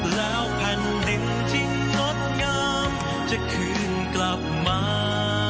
แล้วแผ่นดินที่งดงามจะคืนกลับมา